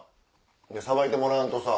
で捌いてもらわんとさ。